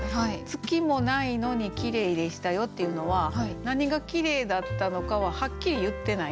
「月もないのに綺麗でしたよ」っていうのは何が綺麗だったのかははっきり言ってないんですよね。